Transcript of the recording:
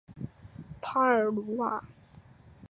帕尔鲁瓦。